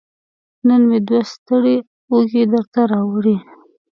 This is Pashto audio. نن مې دوه ستړې اوږې درته راوړي